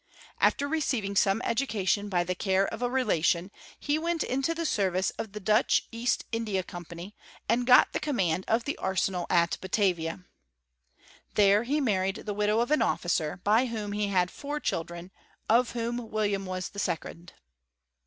After receiving some education by the care of a relation, he went into the service of the Dutch East India Company, and got the command of the arsenal at Batavia. There he married the widow of an officer^ by whom he had four children, of whom William was the second.